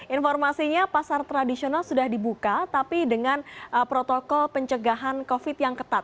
informasinya pasar tradisional sudah dibuka tapi dengan protokol pencegahan covid yang ketat